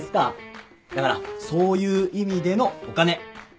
だからそういう意味でのお金。